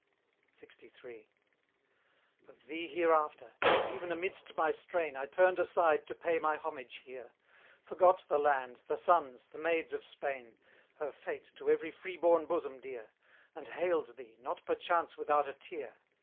LXIII. Of thee hereafter. Even amidst my strain I turned aside to pay my homage here; Forgot the land, the sons, the maids of Spain; Her fate, to every free born bosom dear; And hailed thee, not perchance without a tear.